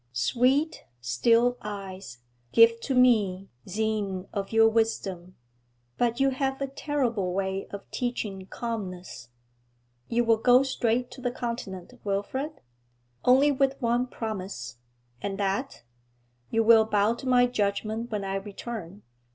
'Sweet, still eyes give to me seine of your wisdom! But you have a terrible way of teaching calmness.' 'You will go straight to the Continent, Wilfrid?' 'Only with one promise.' 'And that?' 'You will bow to my judgment when I return.'